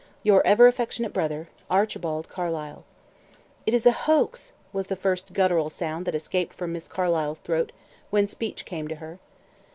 "Your ever affectionate brother, "ARCHIBALD CARLYLE." "It is a hoax," was the first gutteral sound that escaped from Miss Carlyle's throat when speech came to her.